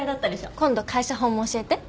今度会社法も教えて。